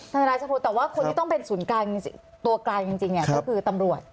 ท่านราชบุรณ์แต่ว่าคนที่ต้องเป็นศูนย์การจริงตัวการจริงนี่ก็คือตำรวจ